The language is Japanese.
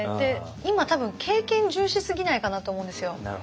今多分経験重視すぎないかなと思うんですよ。